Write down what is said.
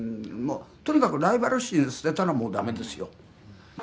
とにかくライバル心捨てたら、もうだめですよ。